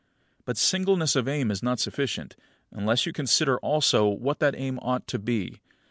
But singleness of aim is not sufficient, unless you consider also what that aim ought to be.